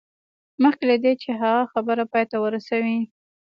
مخکې له دې چې هغه خبره پای ته ورسوي